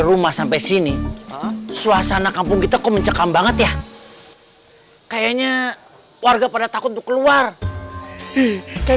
rumah sampai sini suasana kampung kita kok mencekam banget ya kayaknya warga pada takut untuk keluar kayak